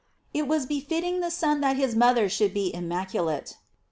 It was befitting the Son that his mother fihould be immaculate.